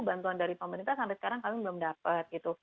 bantuan dari pemerintah sampai sekarang kami belum dapat gitu